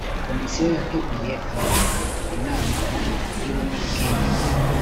komisiyo yateguye iyobora inama nkuru y ubumwe n ubwiyunge